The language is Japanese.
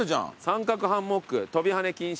「三角ハンモック跳びはね禁止」